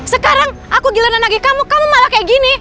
sekarang aku giliran lagi kamu kamu malah kayak gini